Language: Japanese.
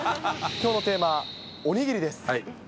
きょうのテーマ、お握りです。